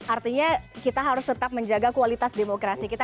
artinya kita harus tetap menjaga kualitas demokrasi kita